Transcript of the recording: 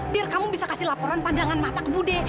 biar kamu bisa kasih laporan pandangan mata ke budhe